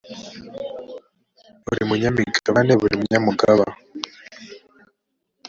buri munyamigabane buri mugaba